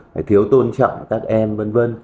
phải thiếu tôn trọng các em v v